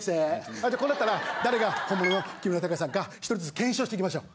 あじゃあこうなったら誰が本物の木村拓哉さんか１人ずつ検証していきましょう。